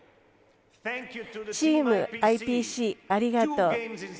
チームＩＰＣ、ありがとう。